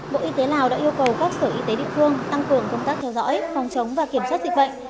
bộ y tế lào đã yêu cầu các sở y tế địa phương tăng cường công tác theo dõi phòng chống và kiểm soát dịch bệnh